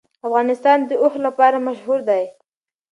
افغانستان د اوښ لپاره مشهور دی.